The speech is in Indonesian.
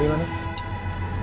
terima kasih pak bimani